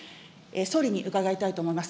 総理に伺いたいと思います。